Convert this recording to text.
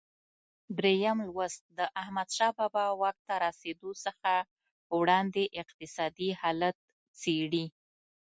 درېم لوست د احمدشاه بابا واک ته رسېدو څخه وړاندې اقتصادي حالت څېړي.